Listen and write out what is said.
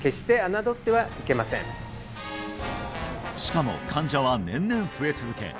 しかも患者は年々増え続け